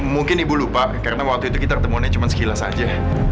mungkin ibu lupa karena waktu itu kita ketemu dan cuman sekilas aja